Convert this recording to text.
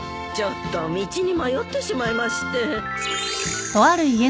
ちょっと道に迷ってしまいまして。